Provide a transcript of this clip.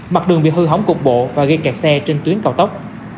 mặt đường bị hư hỏng cục bộ và gây kẹt xe trên tuyến cao tốc